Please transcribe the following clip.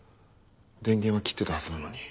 電源は切ってたはずなのに。